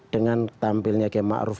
dengan tampilnya kayak ma'ruf